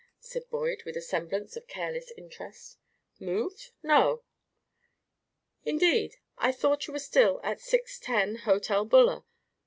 said Boyd, with a semblance of careless interest. "Moved? No!" "Indeed! I thought you were still at 610, Hotel Buller."